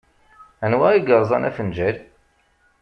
Anwa i yerẓan afenǧal?